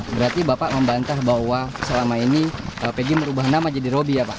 berarti bapak membantah bahwa selama ini pg merubah nama jadi roby ya pak